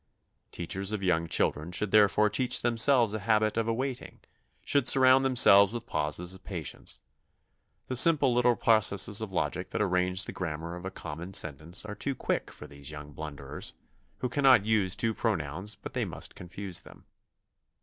Teachers of young children should therefore teach themselves a habit of awaiting, should surround themselves with pauses of patience. The simple little processes of logic that arrange the grammar of a common sentence are too quick for these young blunderers, who cannot use two pronouns but they must confuse them.